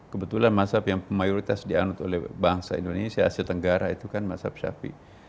kebetulan masyarakat yang mayoritas dianut oleh bangsa indonesia asia tenggara itu kan mazhab syafi